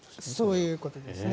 そういうことですね。